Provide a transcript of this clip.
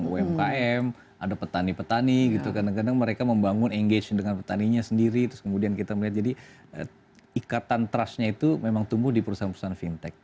umkm ada petani petani gitu kadang kadang mereka membangun engagement dengan petaninya sendiri terus kemudian kita melihat jadi ikatan trustnya itu memang tumbuh di perusahaan perusahaan fintech